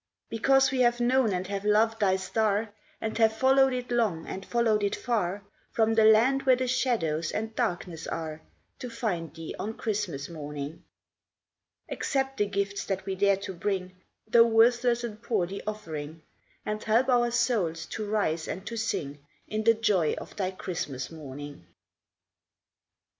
Because we have known and have loved thy star, And have followed it long and followed it far, From the land where the shadows and darkness are, To find thee on Christmas morning, Accept the gifts that we dare to bring, Though worthless and poor the offering, And help our souls to rise and to sing In the joy of thy Christmas morning.